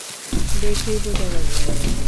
দেখেই বোঝা যাচ্ছে।